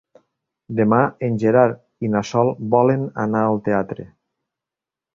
Demà en Gerard i na Sol volen anar al teatre.